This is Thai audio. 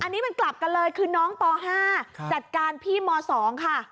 อันนี้มันกลับกันเลยคือน้องป๕จัดการพี่ม๒ค่ะ